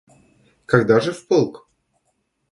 Когда же в полк?